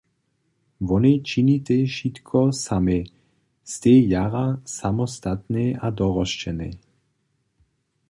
Wonej činitej wšitko samej, stej jara samostatnej a dorosćenej.